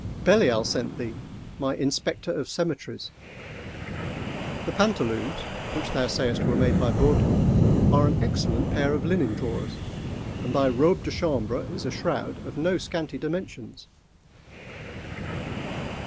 Belial sent thee,—my Inspector of Cemeteries. The pantaloons, which thou sayest were made by Bourdon, are an excellent pair of linen drawers, and thy robe de chambre is a shroud of no scanty dimensions."